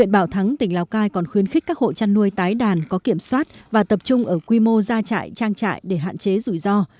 bảo thắng tỉnh lào cai còn khuyến khích các hộ chăn nuôi tái đàn có kiểm soát và tập trung ở quy mô ra trại trang trại để hạn chế rủi ro